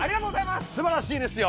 すばらしいですよ。